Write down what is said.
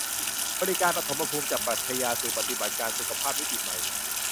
บริการปฐมภูมิ : จากปรัชญาสู่ปฏิบัติการสุขภาพมิติใหม่